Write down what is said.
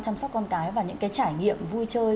chăm sóc con cái và những cái trải nghiệm vui chơi